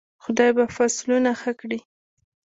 خدای به فصلونه ښه کړي.